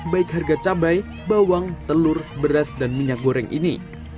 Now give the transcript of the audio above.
baik harga cabai bawang telur beras dan minyak goreng ini